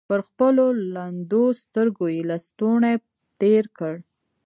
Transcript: پر خپلو لندو سترګو يې لستوڼۍ تېر کړ.